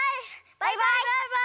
バイバイ！